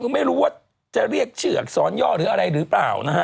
ไม่รู้ว่าจะเรียกชื่ออักษรย่อหรืออะไรหรือเปล่านะฮะ